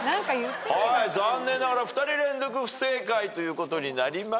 残念ながら２人連続不正解ということになりました。